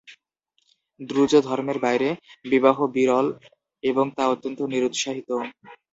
Druze ধর্মের বাইরে বিবাহ বিরল এবং তা অত্যন্ত নিরুৎসাহিত।